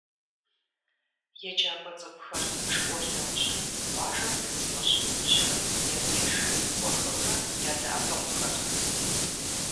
Еджакӏуэ цӏыкӏухэр школ нэужьым къуажэм дэс лӏыжь-фызыжьхэм я деж кӏуэхэурэ, ядэӏэпыкъухэрт.